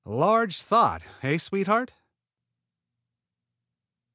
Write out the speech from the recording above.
Large thought, eh, sweetheart?"